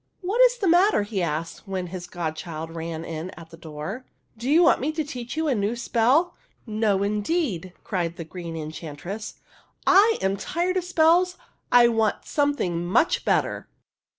''What is the matter?" he asked, when his godchild ran in at the door. " Do you want me to teach you a new spell ?"" No, indeed !" cried the Green Enchantress. " I am tired of spells ; I want something much better."